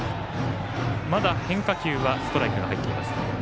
まだ変化球はストライク入っていません。